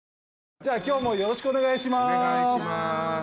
じゃあ今日もよろしくお願いします。